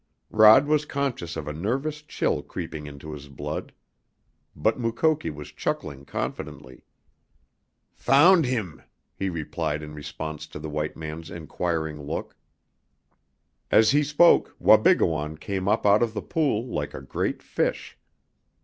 Rod was conscious of a nervous chill creeping into his blood. But Mukoki was chuckling confidently. "Found heem!" he replied in response to the white youth's inquiring look. As he spoke Wabigoon came up out of the pool like a great fish.